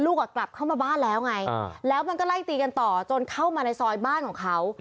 กลับเข้ามาบ้านแล้วไงแล้วมันก็ไล่ตีกันต่อจนเข้ามาในซอยบ้านของเขา